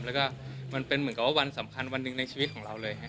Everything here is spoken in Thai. แล้วก็มันเป็นเหมือนกับว่าวันสำคัญวันหนึ่งในชีวิตของเราเลย